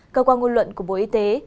cơ quan ngôn luận của bộ y tế